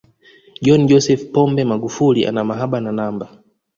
john joseph pombe magufuli ana mahaba na namba